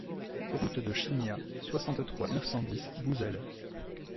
Route de Chignat, soixante-trois, neuf cent dix Bouzel